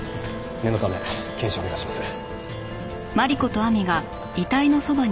念のため検視をお願いします。